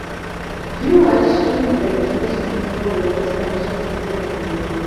Jew Watch claims that Jews control the world's financial systems and media.